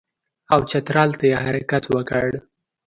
او چترال ته یې حرکت وکړ.